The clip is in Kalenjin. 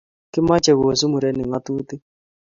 Kimache kosup murenik ng'otutik